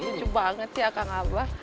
lucu banget si akang abah